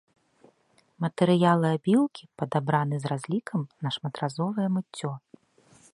Матэрыялы абіўкі падабраны з разлікам на шматразовае мыццё.